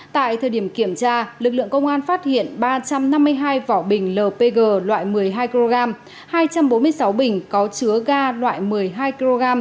tại thời điểm kiểm tra lực lượng công an phát hiện ba trăm năm mươi hai vỏ bình lpg loại một mươi hai kg hai trăm bốn mươi sáu bình có chứa ga loại một mươi hai kg